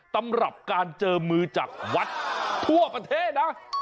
สำหรับการเจอมือจากวัดทั่วประเทศนะ